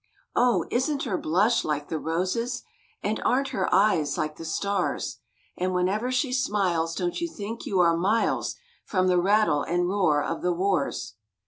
Oh! isn't her blush like the roses? And aren't her eyes like the stars? And whenever she smiles Don't you think you are miles From the rattle and roar of the wars?